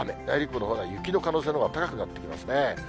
内陸部のほうでは雪の可能性のほうが高くなってきますね。